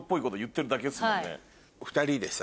２人でさ。